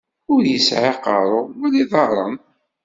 Ur isɛi aqeṛṛu, wala iḍaṛṛen.